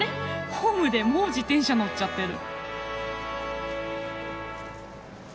ホームでもう自転車乗っちゃってる。